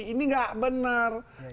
ini nggak benar